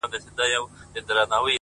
ارمانه اوس درنه ښكلا وړي څوك،